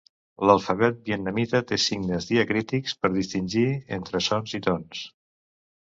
L'alfabet vietnamita té signes diacrítics per distingir entre sons i tons.